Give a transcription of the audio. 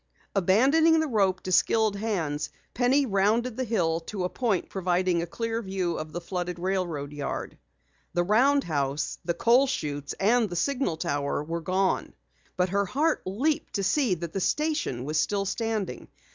Abandoning the rope to skilled hands, Penny rounded the hill to a point providing a clear view of the flooded railroad yard. The roundhouse, the coal chutes and the signal tower were gone. But her heart leaped to see that the station was still standing.